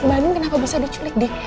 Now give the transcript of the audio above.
bu andien kenapa bisa diculik d